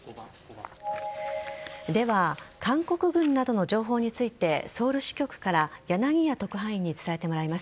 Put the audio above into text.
では、韓国軍などの情報についてソウル支局から柳谷特派員に伝えてもらいます。